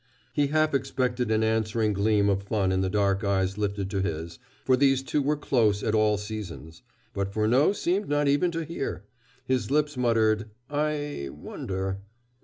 He half expected an answering gleam of fun in the dark eyes lifted to his, for these two were close friends at all seasons; but Furneaux seemed not even to hear! His lips muttered: "I wonder."